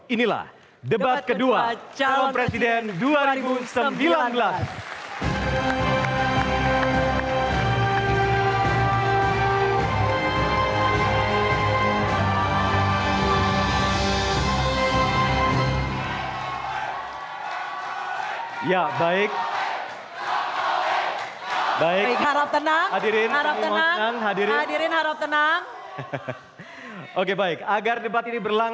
inilah debat kedua calon presiden dua ribu sembilan belas